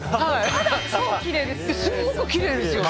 すんごくきれいですよね。